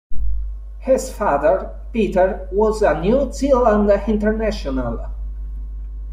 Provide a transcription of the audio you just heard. His father, Peter, was a New Zealand international.